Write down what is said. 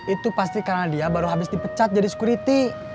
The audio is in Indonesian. itu pasti karena dia baru habis dipecat jadi security